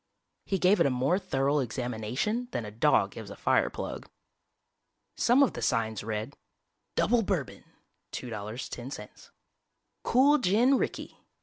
He gave it a more thorough examination than a dog gives a fireplug. Some of the signs read: "DOUBLE BOURBON $2.10" "COOL GIN RICKEY $1.